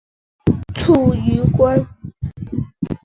卒于官。